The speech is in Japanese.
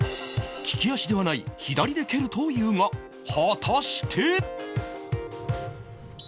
利き足ではない左で蹴るというが果たして？